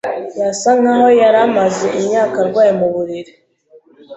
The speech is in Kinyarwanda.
Yasa nkaho yari amaze imyaka arwaye mu buriri.